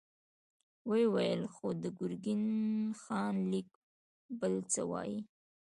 ويې ويل: خو د ګرګين خان ليک بل څه وايي.